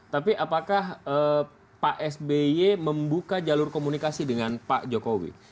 tapi apakah pak sby membuka jalur komunikasi dengan pak jokowi